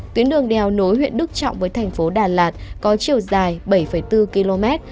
tuyến đường đèo nối huyện đức trọng với thành phố đà lạt có chiều dài bảy bốn km